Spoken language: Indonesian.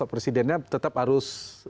presidennya tetap harus